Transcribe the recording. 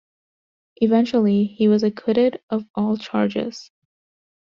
Eventually he was acquitted of all charges.